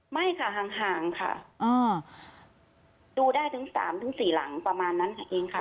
ไม่ค่ะห่างค่ะอ่าดูได้ทั้งสามทั้งสี่หลังประมาณนั้นเองค่ะ